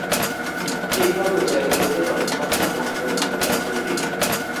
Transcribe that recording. ঠিকভাবে উচ্চারিত হইলে তৎক্ষণাৎ উহা বাঞ্ছিত ফল প্রদান করিবে।